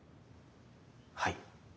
はい。